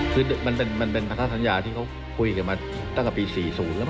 คือมันเป็นภาษาสัญญาที่เขาคุยกันมาตั้งแต่ปี๔๐แล้ว